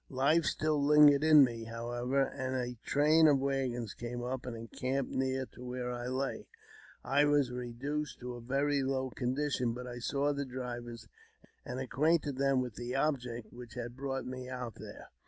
Life still lingered in me, however, and a train of waggons cama up, and encamped near to where I lay. I was reduced to a very low condition, but I saw the drivers, and acquainted them with the object which had brought me out there.